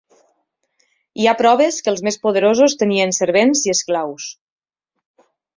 Hi ha proves que els més poderosos tenien servents i esclaus.